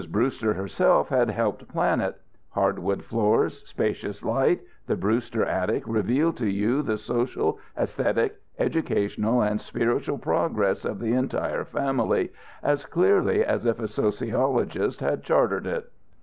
Brewster herself had helped plan it. Hardwood floored, spacious light, the Brewster attic revealed to you the social, aesthetic, educational and spiritual progress of the entire family as clearly as if a sociologist had chartered it.